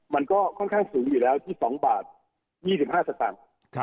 มันก็ค่อนข้างสูงอยู่แล้วที่๒บาท๒๕สตางค์